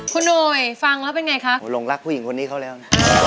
คุณหนุ่ยฟังแล้วเป็นไงคะโหลงรักผู้หญิงคนนี้เขาแล้วนะ